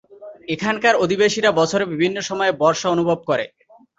এখানকার অধিবাসীরা বছরের বিভিন্ন সময়ে বর্ষা অনুভব করে।